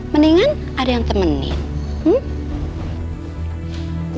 mendingan ada yang temenin